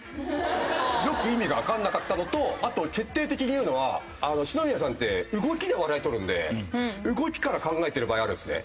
よく意味がわからなかったのとあと決定的に言うのは篠宮さんって動きで笑い取るので動きから考えてる場合あるんですね。